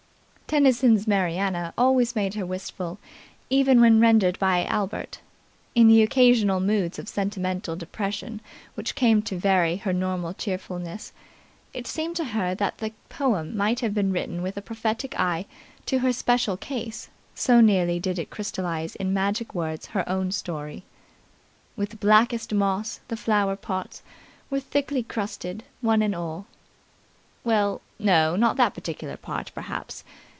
Tennyson's "Mariana" always made her wistful even when rendered by Albert. In the occasional moods of sentimental depression which came to vary her normal cheerfulness, it seemed to her that the poem might have been written with a prophetic eye to her special case, so nearly did it crystallize in magic words her own story. "With blackest moss the flower pots Were thickly crusted, one and all." Well, no, not that particular part, perhaps.